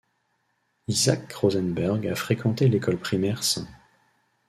Isaac Rosenberg a fréquenté l'école primaire St.